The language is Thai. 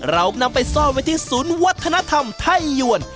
นำไปซ่อนไว้ที่ศูนย์วัฒนธรรมไทยยวน